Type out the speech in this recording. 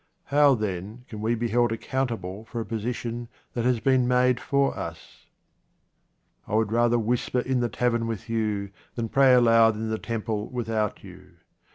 How, then, can we be held 33 QUATRAINS OF OMAR KHAYYAM accountable for a position that has been made for us ? I WOULD rather whisper in the tavern with you than pray aloud in the temple without you.